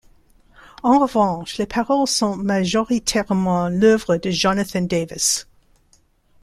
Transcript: En revanche, les paroles sont majoritairement l’œuvre de Jonathan Davis.